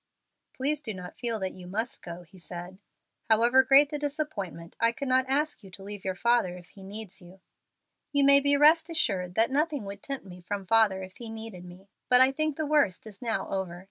"Please do not feel that you must go," he said. "However great the disappointment, I could not ask you to leave your father if he needs you." "You may rest assured that nothing would tempt me from father if he needed me. But I think the worst is now over.